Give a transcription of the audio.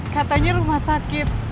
katanya rumah sakit